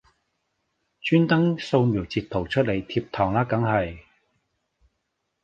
專登掃瞄截圖出嚟貼堂啦梗係